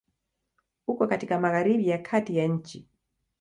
Uko katika Magharibi ya Kati ya nchi.